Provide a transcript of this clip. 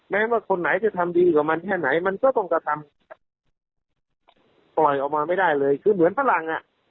แม้ว่าคนไหนจะทำดีกว่ามันแค่ไหนมันก็ต้องกระทำปล่อยออกมาไม่ได้เลยคือเหมือนฝรั่งอ่ะ